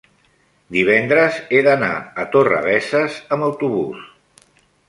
divendres he d'anar a Torrebesses amb autobús.